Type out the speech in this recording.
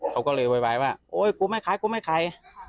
เขาก็เลยไว้ว่าโอ๊ยกูไม่ค้ายกูไม่ค้าย